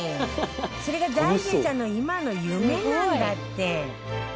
それが財前さんの今の夢なんだって